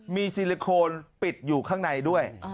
มีซิลิโคนปิดอยู่ข้างในด้วย